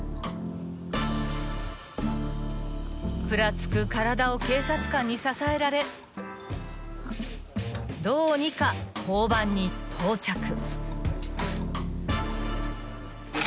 ［ふらつく体を警察官に支えられどうにか交番に到着］